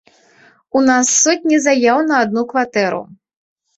У нас сотні заяў на адну кватэру.